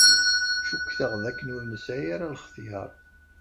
Cukkteɣ dakken ur nesɛi ara lxetyar.